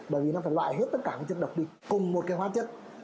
bởi vì nó phải loại hết tất cả các chất độc đi cùng một hóa chất